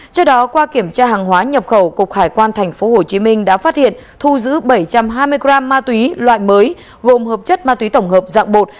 trước đó qua kiểm tra hàng hóa nhập khẩu cục hải quan tp hcm đã phát hiện thu giữ bảy trăm hai mươi gram ma túy loại mới gồm hợp chất ma túy tổng hợp dạng bột